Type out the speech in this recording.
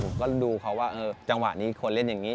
ผมก็ดูเขาว่าจังหวะนี้คนเล่นอย่างนี้